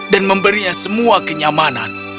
dan memberinya semua kenyamanan